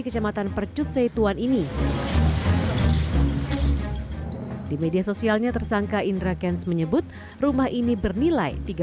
kecamatan percut seituan ini di media sosialnya tersangka indra kents menyebut rumah ini bernilai